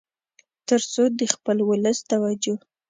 تر څو د خپل ولس توجه